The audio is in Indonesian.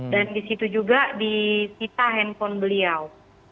dan di situ juga disita handphone beliau